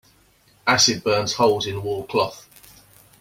Acid burns holes in wool cloth.